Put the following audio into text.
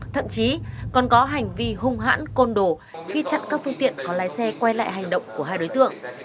thậm chí còn có hành vi hung hãn côn đồ khi chặn các phương tiện có lái xe quay lại hành động của hai đối tượng